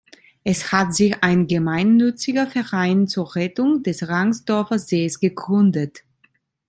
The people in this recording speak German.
Es hat sich ein gemeinnütziger Verein zur Rettung des Rangsdorfer Sees gegründet.